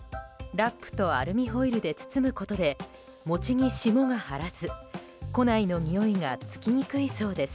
ラップとアルミホイルで包むことで餅に霜が張らず、庫内の匂いがつきにくいそうです。